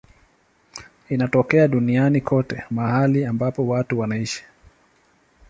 Inatokea duniani kote mahali ambapo watu wanaishi.